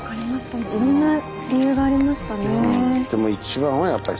いろんな理由がありましたね。